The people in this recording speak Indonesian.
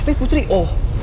tapi putri o